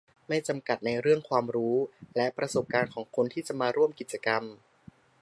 ไม่จำกัดในเรื่องความรู้และประสบการณ์ของคนที่จะมาร่วมกิจกรรม